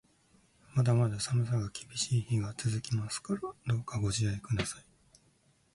まだまだ寒さが厳しい日が続きますから、どうかご自愛ください。